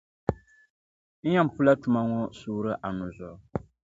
N yɛn pula tuma ŋɔ suuri anu zuɣu